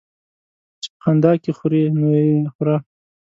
چي په خندا کې خورې ، نو يې خوره.